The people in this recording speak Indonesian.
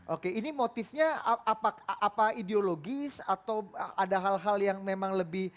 oke ini motifnya apa ideologis atau ada hal hal yang memang lebih